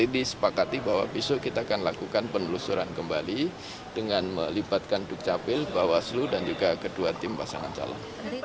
jadi sepakati bahwa besok kita akan lakukan penelusuran kembali dengan melibatkan dukcapil bawaslu dan juga kedua tim pasangan calon